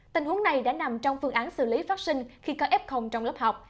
tình huống này đã nằm trong phương án xử lý phát sinh khi có f trong lớp học